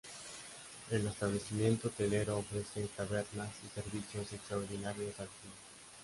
El establecimiento hotelero ofrece tabernas y servicios extraordinarios al cliente.